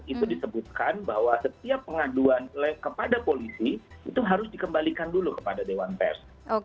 itu disebutkan bahwa setiap pengaduan kepada polisi itu harus dikembalikan dulu kepada dewan pers